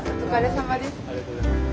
ありがとうございます。